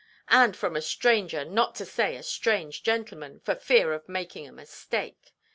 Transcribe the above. and from a stranger, not to say a strange gentleman, for fear of making a mistake.